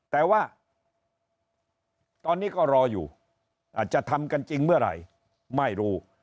แต่ว่าตอนนี้ก็รออยู่อาจจะทำกันจริงเมื่อไหร่ไม่รู้